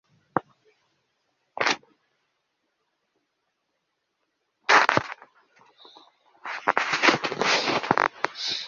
Wengine ni hasa Wakristo Wakopti.